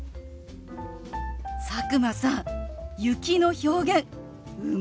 佐久間さん「雪」の表現うまいじゃない！